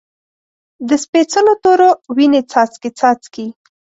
د سپیڅلو تورو، وینې څاڅکي، څاڅکي